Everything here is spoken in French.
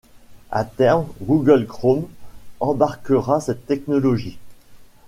À terme Google Chrome embarquera cette technologie.